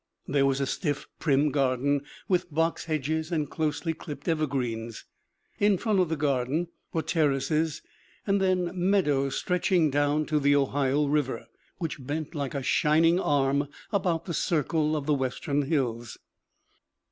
There was a stiff, prim garden, with box hedges and closely clipped evergreens. In front of the garden were terraces, and then meadows stretch ing down to the Ohio River, which bent like a shining arm about the circle of the western hills."